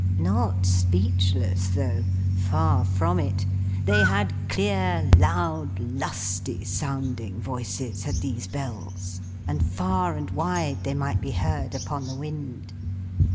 Not speechless, though. Far from it. They had clear, loud, lusty, sounding voices, had these Bells; and far and wide they might be heard upon the wind.